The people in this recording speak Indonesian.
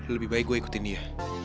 lebih baik gue ikutin dia